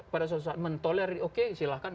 pada suatu saat mentoleri oke silahkan